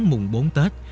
mùng bốn tết